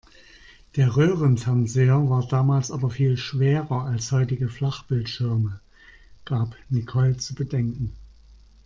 Der Röhrenfernseher war damals aber viel schwerer als heutige Flachbildschirme, gab Nicole zu bedenken.